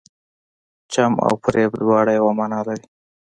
چم او فریب دواړه یوه معنی لري.